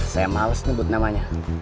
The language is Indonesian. saya males nyebut namanya